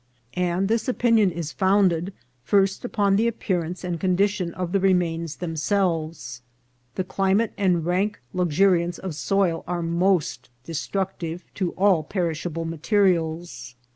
And this opinion is founded, first, upon the appear ance and condition of the remains themselves. The climate and rank luxuriance of soil are most destructive to all perishable materials.